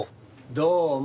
どうも。